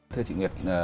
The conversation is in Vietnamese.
thưa chị nguyệt